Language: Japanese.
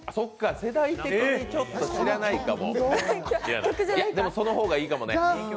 世代的に知らないかも、でもその方がいいかもね。